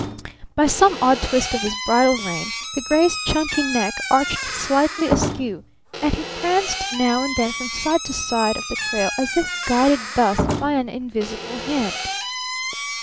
By some odd twist of his bridle rein the gray's chunky neck arched slightly askew, and he pranced now and then from side to side of the trail as if guided thus by an invisible hand.